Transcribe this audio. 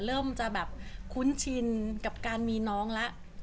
เริ่มจะแบบคุ้นชินกับการมีน้องแล้ว